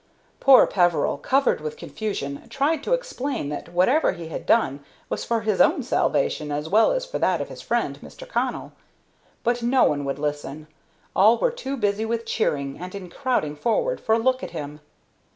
Poor Peveril, covered with confusion, tried to explain that whatever he had done was for his own salvation as well as for that of his friend, Mr. Connell; but no one would listen. All were too busy with cheering and in crowding forward for a look at him.